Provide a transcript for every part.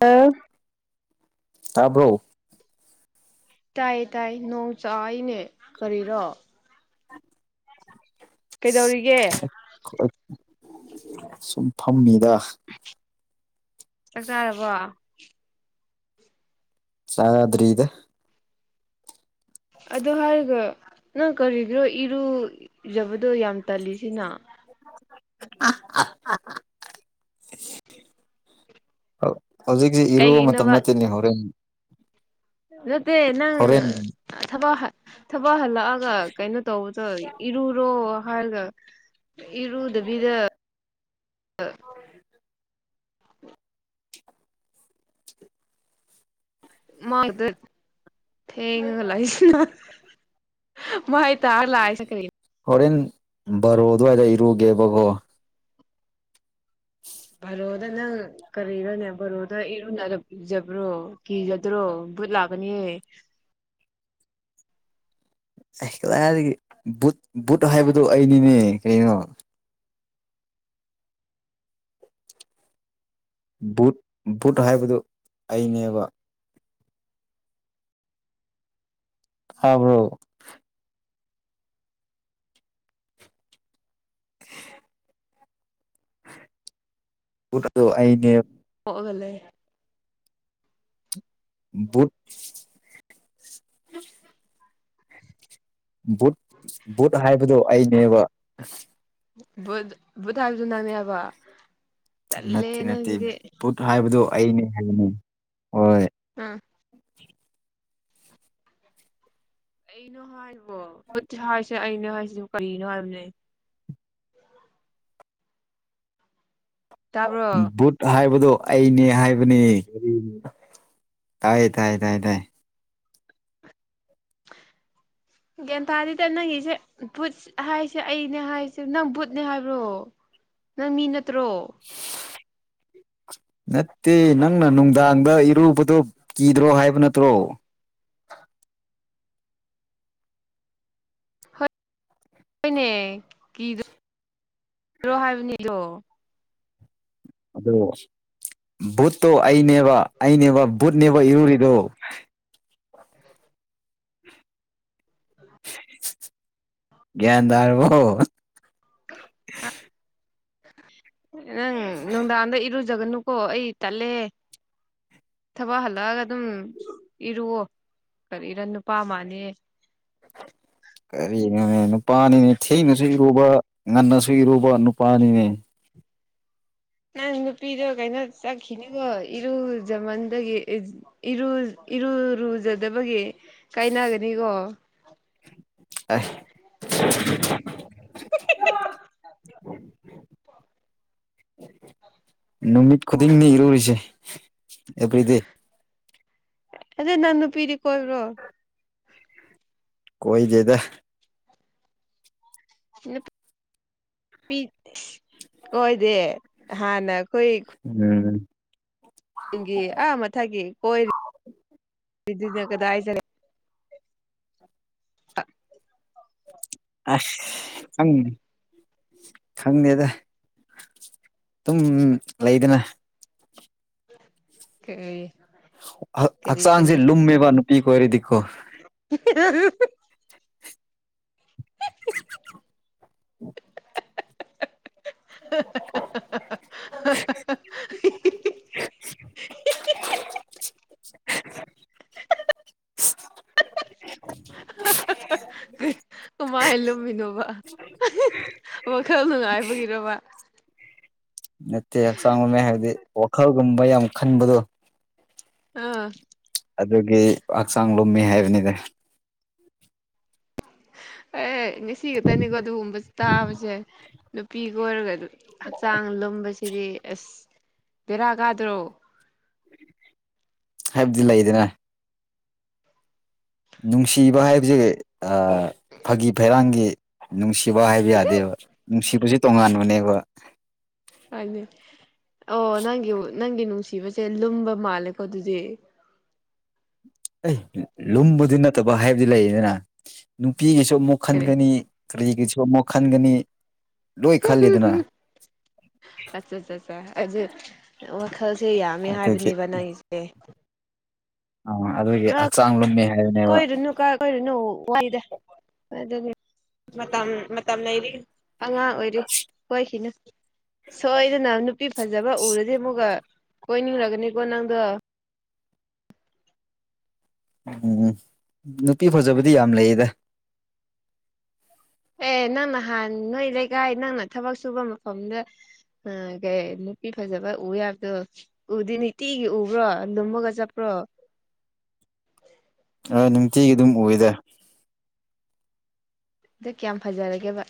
ꯑ ꯇꯥꯕ꯭ꯔꯣ ꯇꯥꯏꯌꯦ ꯇꯥꯏ ꯅꯣꯡ ꯆꯥꯎꯏꯅꯦ ꯀꯔꯤꯔꯣ [inaudible] ꯀꯩꯗꯧꯔꯤꯒꯦ ꯁꯨꯝ ꯐꯝꯃꯤꯗ ꯆꯥꯛ ꯆꯥꯔꯕꯣ ꯆꯗ꯭ꯔꯔꯤ ꯏꯗ ꯑ ꯍꯥꯏꯔꯒ ꯅꯪ ꯀꯔꯤꯒꯤꯔꯣ ꯏꯔꯨꯖꯕꯗꯣ ꯌꯥꯝ ꯇꯜꯂꯤꯁꯤꯅ ꯍꯥ ꯍꯥ ꯍꯧꯖꯤꯛꯖꯦ ꯏꯔꯨꯕ ꯃꯇꯝ ꯀꯩꯒꯤꯅꯣꯕ ꯅꯠꯇꯦꯅꯦ ꯍꯧꯔꯦꯟ ꯅꯠꯇꯦ ꯅꯪ ꯍꯣꯔꯦꯟ ꯊꯕꯛ ꯍ ꯊꯕꯛ ꯍꯜꯂꯛꯑꯒ ꯀꯩꯅꯣ ꯇꯧꯕ ꯏꯔꯨꯔꯣ ꯍꯥꯏꯔꯒ ꯏꯔꯨꯗꯕꯤꯗ [unintelligible] ꯃꯥꯏꯗ ꯊꯦꯡꯉꯒ ꯂꯩꯁꯤꯅ ꯃꯥꯥꯏ ꯇꯥꯔ ꯂꯥꯛꯏꯁꯦ ꯀꯔꯤ ꯍꯣꯔꯦꯟ ꯕꯥꯔꯣ ꯑꯗꯨꯋꯥꯏꯗ ꯏꯔꯨꯒꯦꯕꯀꯣ ꯚꯔꯣꯗ ꯅꯪ ꯀꯔꯤꯔꯣꯅꯦ ꯚꯔꯣꯗ ꯏꯔꯨꯅ ꯖꯕ꯭ꯔꯣ ꯀꯤꯖꯗ꯭ꯔꯣ ꯕꯨꯠ ꯂꯥꯛꯀꯅꯤꯍꯦ ꯑꯩꯥꯏ ꯀꯗꯥꯏꯗꯒꯤ ꯕꯨꯠ ꯕꯨꯠ ꯍꯥꯏꯕꯗꯨ ꯑꯩꯅꯤꯅꯦ ꯀꯩꯅꯣ ꯕꯨꯠ ꯕꯨꯠ ꯍꯥꯏꯕꯗꯨ ꯑꯩꯅꯦꯕ ꯍꯥꯕ꯭ꯔꯣ ꯚꯨꯠ ꯑꯗꯣ ꯑꯩ ꯅꯦ ꯀꯣꯛꯑꯒ ꯂꯩ ꯚꯨꯠ ꯚꯨꯠ ꯚꯨꯠ ꯍꯥꯏꯕꯗꯣ ꯑꯩꯅꯦꯕ ꯚꯨꯠ ꯚꯨꯠ ꯍꯥꯏꯕꯗꯨ ꯅꯪꯅꯦ ꯍꯥꯏꯕ ꯅꯠꯇꯦ ꯇꯜꯂꯦ ꯅꯠꯇꯦ ꯅꯪꯁꯤꯗꯤ ꯚꯨꯠ ꯍꯥꯏꯕꯗꯨ ꯑꯩꯅꯦ ꯍꯥꯏꯕꯅꯤ ꯍꯣꯏ ꯎꯝ ꯑꯩꯅꯣ ꯍꯥꯏꯔꯤꯕꯣ ꯚꯨꯠ ꯍꯥꯏꯁꯦ ꯑꯩꯅꯦ ꯍꯥꯏꯁꯤ ꯀꯔꯤꯅꯣ ꯍꯥꯏꯝꯅꯦ ꯇꯥꯕꯔꯣ ꯕꯨꯠ ꯍꯥꯏꯕꯗꯣ ꯑꯩꯅꯦ ꯍꯥꯏꯕꯅꯦ ꯀꯔꯤꯅꯤ ꯇꯥꯏꯌꯦ ꯇꯥꯏ ꯇꯥꯏ ꯇꯥꯏ ꯒꯌ꯭ꯥꯟꯇꯥꯥꯗꯤꯗ ꯅꯪꯒꯤꯁꯦ ꯚꯨꯠ ꯍꯥꯏꯁꯦ ꯑꯩꯅꯦ ꯍꯥꯏꯁꯦ ꯅꯪ ꯕꯨꯠꯅꯦ ꯍꯥꯏꯕ꯭ꯔꯣ ꯅꯪ ꯃꯤ ꯅꯠꯇ꯭ꯔꯣ [unintelligible] ꯅꯠꯇꯦ ꯅꯪꯅ ꯅꯨꯡꯗꯥꯡꯗ ꯏꯔꯨꯕꯗꯣ ꯀꯤꯗ꯭ꯔꯣ ꯍꯥꯏꯕ ꯅꯠꯇ꯭ꯔꯣ ꯍꯣꯏꯅꯦ ꯀꯤꯗ꯭ꯔꯣ ꯍꯥꯏꯕꯅꯦꯗꯣ ꯑꯗꯣ ꯕꯨꯠꯇꯣ ꯑꯩꯅꯦꯕ ꯑꯩꯅꯦꯕ ꯕꯨꯠꯅꯦꯕ ꯏꯔꯨꯔꯤꯗꯣ ꯭ꯒꯌꯥꯟꯗꯥꯔꯕꯣ ꯅꯪ ꯅꯨꯡꯗꯥꯡꯗ ꯏꯔꯨꯖꯒꯅꯨꯀꯣ ꯑꯩ ꯇꯠꯂꯦ ꯊꯕꯛ ꯍꯜꯂꯛꯑꯒ ꯑꯗꯨꯝ ꯏꯔꯨꯑꯣ ꯀꯔꯤꯔ ꯅꯨꯄꯥ ꯃꯥꯗꯦꯍꯦ ꯀꯔꯤꯅꯣꯅꯦ ꯅꯨꯄꯥꯅꯤꯅꯦ ꯊꯦꯡꯅꯁꯨ ꯏꯔꯨꯕ ꯉꯟꯅꯁꯨꯨ ꯏꯔꯨꯕ ꯅꯨꯄꯥꯅꯤꯅꯦ ꯅꯪ ꯅꯨꯄꯤꯗꯣ ꯀꯩꯅꯣ ꯆꯠꯈꯤꯅꯤꯀꯣ ꯏꯔꯨꯖꯃꯟꯗꯒꯤ ꯏꯔꯨ ꯏꯔꯨꯂꯨꯖꯗꯕꯒꯤ ꯀꯥꯏꯅꯒꯅꯤꯀꯣ ꯑ ꯑꯣ ꯅꯨꯃꯤꯠ ꯈꯨꯗꯤꯡꯅꯤ ꯏꯔꯨꯔꯤꯁꯦ ꯑꯦꯚ꯭ꯔꯤꯗꯦ ꯑꯗꯨꯗꯩ ꯅꯪ ꯅꯨꯄꯤꯗꯤ ꯀꯣꯏꯕ꯭ꯔꯣ ꯀꯣꯏꯗꯤꯦꯗ ꯍ ꯄꯤ ꯑꯣꯏꯗꯦ ꯍꯥꯟꯅ ꯑꯩꯈꯣꯏ ꯎꯝ ꯆꯤꯡꯒꯤ ꯑꯥ ꯃꯊꯛꯒꯤ ꯀꯣꯏꯔꯤ ꯀꯗꯥꯏ ꯖꯔꯦ ꯑꯁ ꯈꯪꯅꯤ ꯈꯪꯗꯦꯗ ꯇꯨꯝ ꯂꯩꯗꯅ [unintelligible] ꯀ ꯍꯛꯆꯥꯡꯁꯦ ꯂꯨꯝꯃꯦꯕ ꯅꯨꯄꯤ ꯀ ꯑꯣꯏꯔꯗꯤꯀꯣ ꯎ [inaudible] [inaudible] [inaudible] ꯀꯃꯥꯏꯍ ꯂꯨꯝꯃꯤꯅꯣꯕ ꯋꯥꯈꯜ ꯅꯨꯡꯉꯥꯏꯕꯒꯤꯔꯕ ꯅꯠꯇꯦ ꯍꯛꯆꯥꯡ ꯍꯥꯏꯕꯗꯤ ꯋꯥꯈꯜꯒꯨꯝꯕ ꯌꯥꯝ ꯈꯟꯕꯗꯣ ꯑꯥ ꯑꯗꯨꯒꯤ ꯍꯛꯆꯥꯡ ꯂꯣꯃꯤ ꯍꯥꯏꯕꯅꯤꯗ ꯑꯩ ꯉꯁꯤ ꯈꯛꯇꯅꯤꯀꯣ ꯑꯗꯨꯒꯨꯝꯕ ꯇꯥꯕꯁꯦ ꯅꯨꯄꯤꯒ ꯑꯣꯏꯔꯒ ꯑꯗꯨꯝ ꯍꯛꯆꯥꯡ ꯂꯨꯝꯕꯁꯦ ꯁꯤꯗꯤ ꯑꯁ ꯕꯦꯔꯥ ꯀꯥꯗ꯭ꯔꯣ ꯍꯥꯏꯕꯗꯤ ꯂꯩꯗꯅ ꯅꯨꯡꯁꯤꯕ ꯍꯥꯏꯕꯁꯦ ꯐꯥꯒꯤ ꯐꯩꯔꯥꯡꯒꯤ ꯅꯨꯡꯁꯤ ꯁꯤꯕꯥ ꯍꯥꯏꯕ ꯌꯥꯗꯦꯕ ꯅꯨꯡꯁꯤꯕꯁꯦ ꯇꯣꯉꯥꯟꯕꯅꯦꯕ ꯍꯥꯏꯅꯤ ꯑꯣ ꯅꯪꯒꯤ ꯅꯪꯒꯤ ꯅꯨꯡꯁꯤꯕꯁꯦ ꯂꯨꯝꯕ ꯃꯥꯜꯂꯦꯀꯣ ꯑꯗꯨꯗꯤ ꯑꯩ ꯂꯨꯝꯕꯗꯤ ꯅꯠꯇꯕ ꯍꯥꯏꯕꯗꯤ ꯂꯩꯗꯅ ꯅꯨꯄꯤꯒꯤꯁꯨ ꯑꯃꯨꯛ ꯀꯔꯤ ꯈꯟꯒꯅꯤ ꯀꯔꯤꯒꯤꯁꯨ ꯑꯃꯨꯛ ꯈꯟꯒꯅꯤ ꯂꯣꯏ ꯈꯜꯂꯤꯗꯅ ꯑꯠꯆꯥ ꯑꯠꯆꯥ ꯑꯠ ꯑꯗꯨ ꯋꯥꯈꯜꯁꯦ ꯌꯥꯝꯃꯦ ꯑꯗꯨꯒꯤ ꯍꯥꯏꯕꯅꯦꯕ ꯅꯪꯁꯦ ꯑ ꯑꯗꯨꯒꯤ ꯍꯛꯆꯥꯡ ꯂꯨꯝꯃꯤ ꯍꯥꯏꯕꯅꯦꯕ ꯑꯣꯏꯔꯨꯅꯨ ꯋꯥꯏꯗ ꯑꯗꯨꯗꯤ ꯃꯇꯝ ꯃꯇꯝ ꯂꯩꯔꯤ ꯑꯉꯥꯡ ꯑꯣꯏꯔꯤ ꯍꯣꯏꯈꯤꯅ ꯁꯣꯏꯗꯅ ꯅꯨꯄꯤ ꯐꯖꯕ ꯎꯔꯗꯤ ꯑꯃꯨꯛꯒ ꯀꯣꯏꯅꯤꯡꯔꯒꯅꯤꯀꯣ ꯅꯪꯗꯣ ꯎꯝ ꯅꯨꯄꯤ ꯐꯖꯕꯗꯤ ꯌꯥꯝ ꯂꯩꯌꯦꯗ ꯑꯦ ꯅꯪꯅꯍꯥꯟ ꯅꯣꯏ ꯂꯩꯀꯥꯏ ꯅꯪꯅ ꯊꯕꯛ ꯁꯨꯕ ꯃꯐꯝꯗ ꯎ ꯀꯩ ꯅꯨꯄꯤ ꯐꯖꯕ ꯎ ꯌꯥꯕꯗꯣ ꯎꯗꯤ ꯇꯤꯒꯤ ꯎꯕ꯭ꯔꯣ ꯅꯨꯝꯃꯒ ꯆꯠꯄ꯭ꯔꯣ ꯑ ꯅꯨꯡꯇꯤꯒꯤ ꯑꯗꯨꯝ ꯎꯗ ꯑꯗꯨ ꯀꯌꯥꯝ ꯐꯖꯔꯒꯦꯕ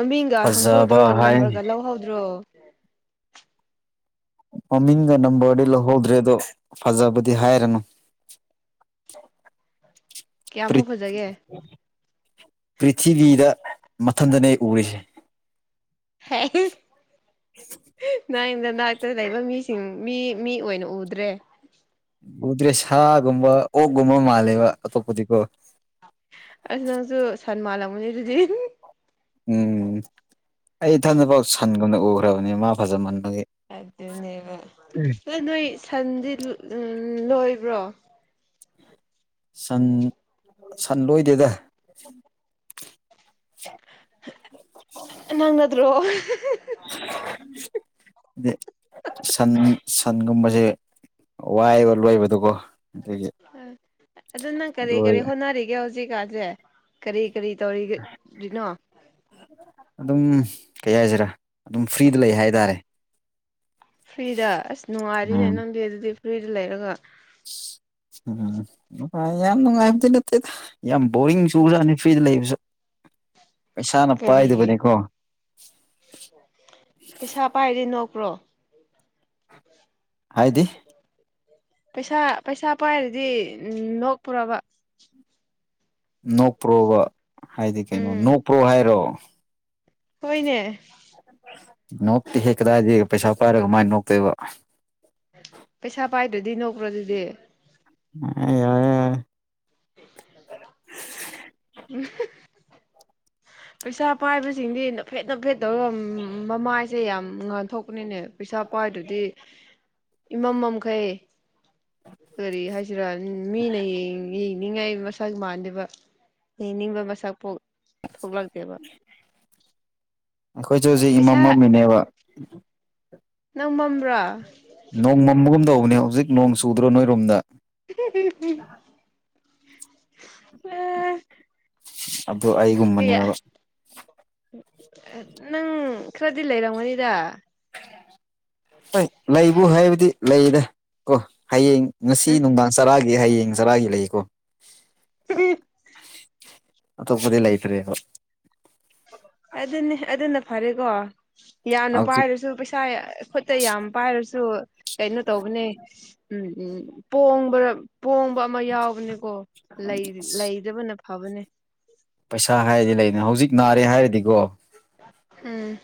ꯃꯃꯤꯡꯒ ꯐꯖꯕ ꯍꯪꯍꯧꯗ꯭ꯔꯣ ꯅꯝꯕꯔꯒ ꯍꯥꯏ ꯂꯧꯍꯧꯗ꯭ꯔꯣ ꯃꯃꯤꯡꯒ ꯅꯝꯕꯔꯗꯤ ꯂꯧꯍꯧꯗ꯭ꯔꯦ ꯑꯗꯣ ꯐꯖꯕꯗꯤ ꯍꯥꯏꯔꯅꯨ ꯄ꯭ꯔꯤ ꯀꯌꯥꯃꯨꯛ ꯐꯖꯒꯦ ꯄ꯭ꯔꯤꯊꯤꯕꯤꯗ ꯃꯊꯟꯇꯅꯦ ꯎꯔꯤꯁꯦ ꯅꯪꯊꯅꯥꯛꯇ ꯂꯩꯕ ꯃꯤꯁꯤꯡ ꯃꯤ ꯃꯤ ꯑꯣꯏꯅ ꯎꯗ꯭ꯔꯦ ꯎꯗ꯭ꯔꯦ ꯁꯥꯒꯨꯝꯕ ꯑꯣꯛꯒꯨꯝꯕ ꯃꯥꯜꯂꯦꯕ ꯑꯇꯣꯞꯄꯗꯤꯀꯣ ꯑꯁ ꯅꯪꯁꯨ ꯁꯟ ꯃꯥꯥꯟꯜꯂꯝꯕꯅꯤ ꯑꯗꯨꯗꯤ ꯎꯝ ꯑꯩ ꯏꯊꯟꯗꯐꯥꯎ ꯁꯟꯒꯨꯝꯅ ꯎꯈ꯭ꯔꯕꯅꯤ ꯃꯥ ꯐꯖꯃꯟꯕꯒꯤ ꯑꯗꯨꯅꯦꯕ ꯑ ꯅꯣꯏ ꯁꯟꯗꯤ ꯂꯣꯏꯕ꯭ꯔꯣ ꯁꯟ ꯁꯟ ꯂꯣꯏꯗꯦꯗ ꯅꯪꯅꯗ꯭ꯔꯣ [unintelligible] ꯍꯥꯏꯗꯤ ꯁꯟ ꯁꯟꯒꯨꯝꯕꯁꯦ ꯋꯥꯏꯕ ꯂꯣꯏꯕꯗꯨꯀꯣ ꯑꯗꯒꯤ ꯑꯗꯨ ꯅꯪ ꯀꯔꯤ ꯀꯔꯤ ꯂꯣꯏꯔꯦ ꯍꯣꯠꯅꯔꯤꯒꯦ ꯍꯧꯖꯤꯛꯀꯥꯟꯁꯦ ꯀꯔꯤ ꯀꯔꯤ ꯇꯧꯔꯤꯔꯤꯅꯣ ꯑꯗꯨꯝ ꯀꯩ ꯍꯥꯏꯁꯤꯔꯥ ꯑꯗꯨꯝ ꯐ꯭ꯔꯤꯗ ꯂꯩ ꯍꯥꯏꯇꯥꯔꯦ ꯐ꯭ꯔꯤꯗ ꯑꯁ ꯅꯨꯡꯉꯥꯏꯔꯤꯅꯦ ꯎꯝ ꯅꯪꯗꯤ ꯑꯗꯨꯗꯤ ꯐ꯭ꯔꯤꯗ ꯂꯩꯔꯒ ꯌꯥꯝ ꯅꯨꯡꯉꯥꯏꯗꯤ ꯅꯠꯇ ꯌꯥꯝ ꯣꯔꯤ ꯆꯅꯤ ꯐ꯭ꯔꯤꯗ ꯂꯩꯕꯁꯨ ꯄꯩꯁꯥꯅ ꯀꯔꯤꯒꯤ ꯄꯥꯏꯗꯕꯅꯤꯀꯣ ꯄꯩꯁꯥ ꯄꯥꯏꯔꯤ ꯅꯣꯛꯀ꯭ꯔꯣ ꯍꯥꯏꯗꯤ ꯄꯩꯁꯥ ꯄꯩꯁꯥ ꯄꯥꯏꯔꯗꯤ ꯂꯣꯛꯄꯔꯕ ꯅꯄ꯭ꯔꯣꯕ ꯍꯥꯏꯗꯤ ꯀꯩꯅꯣ ꯎꯝ ꯅꯣꯄ꯭ꯔꯣ ꯍꯥꯏꯔꯣ ꯍꯣꯏꯅꯦ ꯅꯣꯛꯇꯤ ꯍꯦꯛ ꯀꯗꯥꯏꯗꯒꯤ ꯄꯩꯁꯥ ꯄꯥꯏꯔꯒ ꯃꯥꯏꯅ ꯅꯣꯛꯇꯣꯏꯕ ꯄꯩꯁꯥ ꯄꯥꯏꯗ꯭ꯔꯗꯤ ꯅꯣꯛꯄ꯭ꯔꯣ ꯑꯗꯨꯗꯤ ꯑ ꯎꯝ ꯄꯩꯁꯥ ꯄꯥꯏꯕꯁꯤꯡꯗꯤ ꯅꯐꯦꯠ ꯅꯐꯦꯠ ꯇꯧꯔꯒ ꯃꯃꯥꯏꯁꯦ ꯌꯥꯝ ꯉꯥꯟꯊꯣꯛꯄꯅꯤꯅꯦ ꯄꯩꯁꯥ ꯄꯥꯏꯗꯨꯗꯤ ꯏꯃꯝꯝꯈꯩ ꯀꯔꯤ ꯍꯥꯏꯖꯤꯔꯥꯜ ꯃꯤꯅ ꯌꯦꯡꯅꯤꯡꯉꯥꯏ ꯁꯛ ꯃꯥꯟꯕ ꯌꯦꯅꯤꯡꯕ ꯃꯁꯛ ꯄꯣꯛ ꯊꯣꯛꯣꯛ ꯂꯥꯛꯇꯦꯕ ꯑꯩꯈꯣꯏꯁꯨꯦ ꯍꯧꯖꯤꯛ ꯄꯩꯁꯥ ꯏꯃꯝꯝꯃꯤꯅꯦꯕ ꯅꯪ ꯃꯝꯕ꯭ꯔꯣ ꯅꯣꯡ ꯃꯝꯕꯒꯨꯝ ꯇꯧꯕꯅꯦ ꯍꯧꯖꯤꯛ ꯅꯣꯡ ꯆꯨꯗ꯭ꯔꯣ ꯅꯣꯏꯔꯣꯝꯗ ꯎ ꯑꯦ ꯑꯗꯨ ꯀꯌꯥ ꯑꯩꯒꯨꯝꯕꯅꯦꯕ ꯅꯪ ꯈꯔꯗꯤ ꯂꯩꯔꯥꯎꯒꯅꯤꯗ ꯂꯩꯕꯨ ꯍꯥꯏꯕꯗꯤ ꯂꯩꯗ ꯀꯣ ꯍꯌꯦꯡ ꯉꯁꯤ ꯅꯨꯡꯗꯥꯡ ꯆꯔꯥꯒꯤ ꯍꯌꯦꯡ ꯆꯔꯥꯒꯤ ꯂꯩꯌꯦꯀꯣ ꯑꯇꯣꯞꯄꯗꯤ ꯂꯩꯇ꯭ꯔꯦ ꯑꯗꯨꯅꯤ ꯑꯗꯨꯅ ꯐꯔꯦꯀꯣ ꯌꯥꯝꯅ ꯍꯧꯖꯤꯛ ꯄꯥꯏꯔꯁꯨ ꯄꯩꯁꯥ ꯈꯨꯠꯇ ꯌꯥꯝ ꯄꯥꯏꯔꯁꯨ ꯀꯩꯅꯣ ꯇꯧꯕꯅꯦ ꯎ ꯄꯣꯡꯕꯗ ꯄꯣꯡꯕ ꯑꯃ ꯌꯥꯎꯕꯅꯦꯀꯣ ꯂꯩꯗꯕꯅ ꯐꯕꯅꯦ ꯄꯩꯁꯥ ꯍꯥꯏꯔꯗꯤ ꯂꯩꯅꯤ ꯍꯧꯖꯤꯛ ꯅꯥꯔꯦ ꯍꯥꯏꯔꯗꯤꯀꯣ ꯎꯝ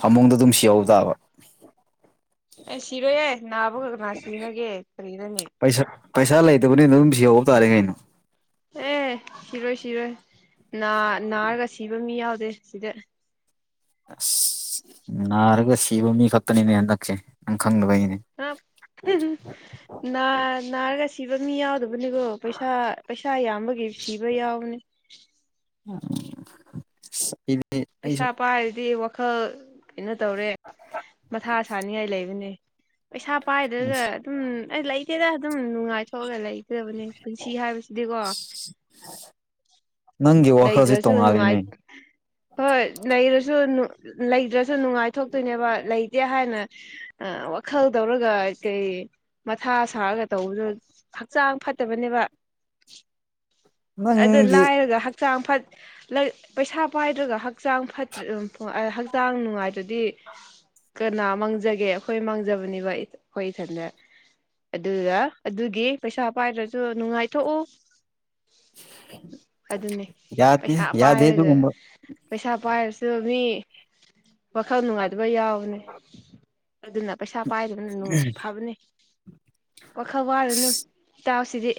ꯐꯃꯨꯡꯗ ꯑꯗꯨꯝ ꯁꯤꯍꯧ ꯇꯥꯕ ꯑꯦ ꯁꯤꯔꯣꯏꯌꯦꯦ ꯅꯥꯕ ꯈꯛꯇꯅ ꯁꯤꯅꯒꯦ ꯀꯔꯤꯅꯅꯤ ꯄꯩꯁꯥ ꯄꯩꯁꯥ ꯂꯩꯇꯕꯅꯤꯅ ꯑꯗꯨꯝ ꯁꯤ ꯌꯍꯧꯕ ꯇꯥꯔꯦ ꯀꯩꯅꯣ ꯑꯦ ꯁꯤꯔꯣꯏ ꯁꯤꯔꯣꯏ ꯅꯥꯔꯒ ꯁꯤꯕ ꯃꯤ ꯌꯥꯎꯗꯦ ꯁꯤꯗ ꯑꯁ ꯅꯥꯔꯒ ꯁꯤꯕ ꯃꯤ ꯈꯛꯇꯅꯤꯅꯦ ꯍꯟꯗꯛꯁꯦ ꯅꯪ ꯈꯪꯗꯕꯩꯅꯦ ꯅꯥꯔꯒ ꯁꯤꯕ ꯃꯤ ꯌꯥꯎꯗꯕꯅꯤꯀꯣ ꯄꯩꯁꯥꯩꯥ ꯆꯥ ꯏꯕꯒꯤ ꯁꯤꯕ ꯌꯥꯎꯅꯦ ꯏ ꯄꯩꯁꯥ ꯄꯥꯏꯔꯗꯤ ꯋꯥꯈꯜ ꯀꯩꯅꯣ ꯇꯧꯔꯦ ꯃꯊꯥ ꯁꯥꯅꯤꯡꯉꯥꯏ ꯂꯩꯕꯅꯦ ꯄꯩꯁꯥ ꯄꯥꯏꯗꯒ ꯎꯝ ꯑꯩ ꯂꯩꯇꯦꯗ ꯑꯗꯨꯝ ꯅꯨꯡꯉꯥꯏꯊꯣꯛꯑꯒ ꯂꯩꯇꯕꯅꯦ ꯄꯨꯟꯁꯤ ꯍꯥꯏꯕꯁꯤꯗꯤꯀꯣ ꯅꯪꯒꯤ ꯋꯥꯈꯜꯁꯦ ꯂꯩꯗ꯭ꯔꯁꯨ ꯅꯨꯡꯉꯥꯏ ꯇꯣꯡꯉꯥꯜꯂꯤꯅꯦ ꯍꯣꯏ ꯂꯩꯔꯁꯨ ꯂꯩꯗ꯭ꯔꯁꯨ ꯅꯨꯡꯉꯥꯏꯊꯣꯛ ꯇꯣꯏꯅꯦꯕ ꯂꯩꯇꯦ ꯍꯥꯏꯅ ꯋꯥꯈꯜ ꯇꯧꯔꯒ ꯀꯩ ꯃꯊꯥ ꯁꯥꯔꯒ ꯇꯧꯕꯁꯨ ꯍꯛꯆꯥꯡ ꯐꯠꯇꯕꯅꯦꯕ ꯑꯗꯣ ꯅꯪꯗꯤ ꯂꯥꯏꯔꯒ ꯍꯛꯆꯥꯡ ꯐ ꯄꯩꯁꯥ ꯄꯥꯏꯗ꯭ꯔꯒ ꯍꯛꯆꯥꯡ ꯐ ꯍꯛꯆꯥꯡ ꯅꯨꯡꯉꯥꯏꯗ꯭ꯔꯗꯤ ꯀꯅꯥ ꯃꯥꯡꯖꯒꯦ ꯑꯩꯈꯣꯏ ꯃꯥꯡꯖꯕꯅꯦꯕ ꯑꯩꯈꯣꯏ ꯏꯊꯟꯗ ꯑꯗꯨꯗ ꯑꯗꯨꯒꯤ ꯄꯩꯁꯥ ꯄꯥꯏꯗ꯭ꯔꯁꯨ ꯅꯨꯡꯉꯥꯏꯊꯣꯛꯎ ꯑꯗꯨ ꯑꯗꯨꯟꯅꯦ ꯌꯥ ꯌꯥꯗꯦ ꯑꯗꯨꯨꯝ ꯄꯩꯁꯥ ꯄꯥꯏꯔꯁꯨ ꯃꯤ ꯋꯥꯈꯜ ꯅꯨꯡꯉꯥꯏꯇꯕ ꯌꯥꯎꯕꯅꯦ ꯑꯗꯨ ꯄ ꯄꯥꯏꯗꯕꯅ ꯅꯣꯡ ꯐꯥꯕꯅꯤ ꯋꯥꯈꯜ ꯋꯥꯔꯅꯨ ꯏꯇꯥꯎꯁꯤꯗꯤ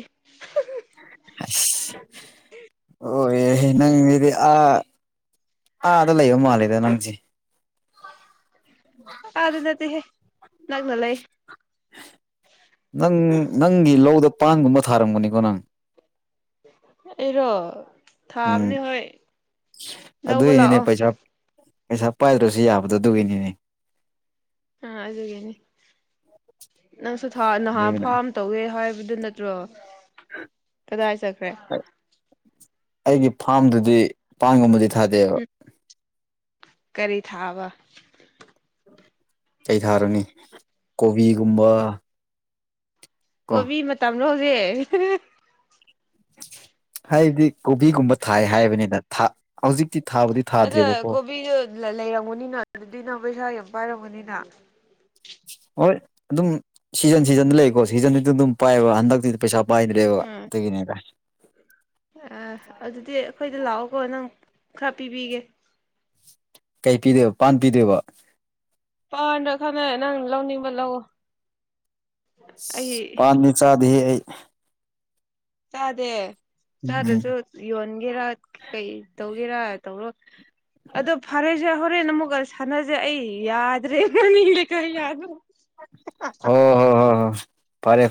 [unintelligible] [unintelligible] ꯑꯣ ꯌꯥꯍꯦ ꯅꯪꯁꯤꯗꯤ ꯑꯥ ꯑꯥꯗ ꯂꯩꯕ ꯃꯥꯜꯂꯦꯗ ꯅꯪꯁꯦ [inaudible] ꯑ ꯑꯗꯨ ꯅꯠꯇꯦꯍꯦ ꯅꯛꯅ ꯂꯩ ꯅꯪ ꯅꯪꯒꯤ ꯂꯧꯗ ꯄꯥꯟꯒꯨꯝꯕ ꯊꯥꯔꯝꯒꯅꯤꯀꯣ ꯅꯪ ꯑꯩꯔꯣ ꯎꯝ ꯊꯥꯕꯅꯦ ꯍꯣꯏ ꯂꯧꯕ ꯑꯗꯨꯏꯅꯤꯅꯦ ꯂꯥꯛꯑꯣ ꯄꯩꯁꯥ ꯄꯩꯁꯥ ꯄꯥꯏꯗ꯭ꯔꯁꯨ ꯌꯥꯕꯗꯣ ꯑꯗꯨꯒꯤꯅꯤꯅꯦ ꯑꯥ ꯑꯗꯨꯒꯤꯅꯤ ꯅꯪꯁꯨ ꯅꯍꯥꯟ ꯐꯥꯝ ꯇꯧꯒꯦ ꯍꯥꯏꯕꯗꯨ ꯅꯠꯇ꯭ꯔꯣ ꯀꯗꯥꯏ ꯆꯠꯈ꯭ꯔꯦ ꯑꯩꯒꯤ ꯐꯥꯝꯗꯗꯤꯄꯥꯟꯒꯨꯝꯕꯗꯤ ꯊꯥꯗꯦꯕ ꯎꯝ ꯀꯔꯤ ꯊꯥꯕ ꯀꯩ ꯊꯥꯔꯨꯅꯤ ꯀꯣꯕꯤꯒꯨꯝꯕ ꯀꯣ ꯀꯣꯕꯤ ꯃꯇꯝꯅꯣ ꯍꯧꯖꯤꯛ ꯍꯥꯏꯗꯤ ꯀꯣꯕꯤꯒꯨꯝꯕ ꯊꯥꯏ ꯍꯥꯏꯕꯅꯤꯅ ꯍꯧꯖꯤꯛꯇꯤ ꯊꯥꯕꯨꯗꯤ ꯑꯗ ꯊꯥꯗ꯭ꯔꯦꯕꯀꯣ ꯀꯣꯕꯤꯗꯨ ꯂꯩꯔꯝꯃꯨꯅꯤꯅ ꯑꯗꯨꯗꯤ ꯅ ꯄꯩꯁꯥ ꯌꯥꯝ ꯄꯥꯏꯔꯝꯃꯅꯤꯅ ꯍꯣꯏ ꯑꯗꯨꯝ ꯁꯤꯖꯟ ꯁꯤꯖꯟꯗ ꯂꯩꯀꯣ ꯁꯤꯖꯟꯗꯨꯗ ꯑꯗꯨꯝ ꯄꯥꯏꯑꯕ ꯍꯟꯗꯛꯇꯤ ꯄꯩꯁ ꯄꯥꯏꯗ꯭ꯔꯦꯕ ꯑꯗꯨꯒꯤꯅꯤꯗ ꯑ ꯑꯗꯨꯗꯤ ꯑꯩꯈꯣꯏꯗ ꯂꯥꯛꯑꯣꯀꯣ ꯅꯪ ꯈꯔ ꯄꯤꯕꯤꯒꯦ ꯀꯩ ꯄꯤꯗꯦꯕ ꯄꯥꯟ ꯄꯤꯗꯦꯕ ꯄꯥꯟꯗ꯭ꯔ ꯈꯪꯅ ꯅꯪ ꯂꯧꯅꯤꯡꯕ ꯂꯧꯑꯣ ꯄꯥꯟꯅꯤ ꯆꯥꯗꯦ ꯍꯦ ꯑꯩ ꯆꯥꯗꯦ ꯎꯝ ꯆꯥꯗꯁꯨ ꯌꯣꯟꯒꯦꯔꯥ ꯀꯩ ꯇꯧꯒꯦꯔꯥ ꯇꯧꯔꯣ ꯑꯗꯣ ꯐꯔꯦꯁꯦ ꯍꯣꯔꯦꯟ ꯑꯃꯨꯛꯀ ꯁꯥꯟꯅꯁꯦ ꯑꯩ ꯌꯥꯗ꯭ꯔꯦ ꯃꯃꯤ ꯌꯥꯗ꯭ꯔ ꯑꯣ ꯍꯣ ꯍꯣ ꯍꯣ ꯐꯔꯦ